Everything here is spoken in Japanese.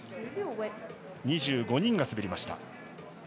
２５人が滑りました。